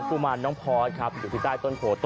คุณผู้ชมไปฟังเสียงกันหน่อยว่าเค้าทำอะไรกันบ้างครับ